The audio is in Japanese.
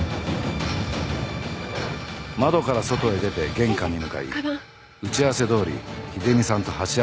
窓から外へ出て玄関に向かい打ち合わせどおり秀美さんと鉢合わせしてみせた。